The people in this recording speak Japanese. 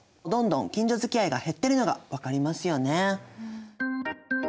どんどん近所付き合いが減ってるのが分かりますよね。